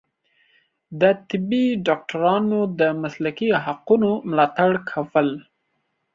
د طبي ډاکټرانو د مسلکي حقونو ملاتړ کول